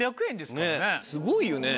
すごいよね。